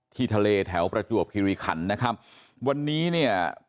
ที่ทะเลแถวประจวบคิริขันนะครับวันนี้เนี่ย